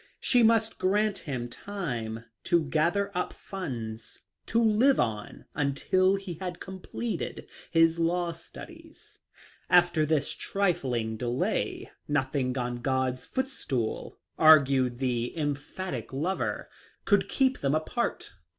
She must grant him time to gather up funds to live on until he had completed his law studies. After this trifling delay " nothing on God's footstool," argued the em 138 THE LIFE OF LINCOLN. phatic lover, could keep them apart.